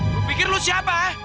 lu pikir lu siapa